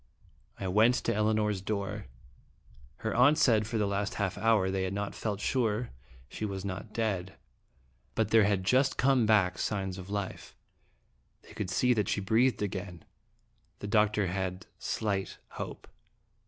I went to Elinor's door. Her aunt said for the last half hour they had not felt sure she was not dead, but there had just come back signs of life ; they could see that she breathed again. The doctor had slight hope.